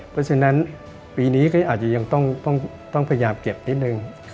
เพราะฉะนั้นปีนี้ก็อาจจะยังต้องพยายามเก็บนิดนึง